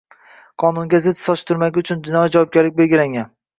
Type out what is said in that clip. qonunga zid soch turmagi uchun jinoiy javobgarlik belgilangan.